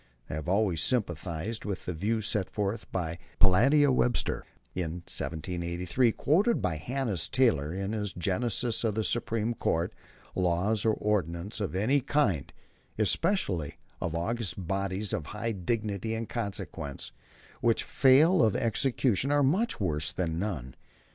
I have always sympathized with the view set forth by Pelatiah Webster in 1783 quoted by Hannis Taylor in his Genesis of the Supreme Court "Laws or ordinances of any kind (especially of august bodies of high dignity and consequence) which fail of execution, are much worse than none.